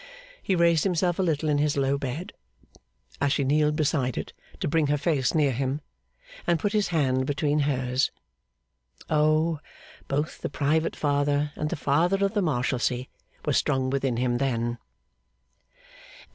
He raised himself a little in his low bed, as she kneeled beside it to bring her face near him; and put his hand between hers. O! Both the private father and the Father of the Marshalsea were strong within him then.